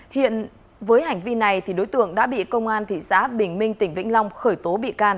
hiện với hành vi này đối tượng đã bị công an thị xã bình minh tỉnh vĩnh long khởi tố bị can